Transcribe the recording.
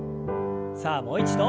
さあもう一度。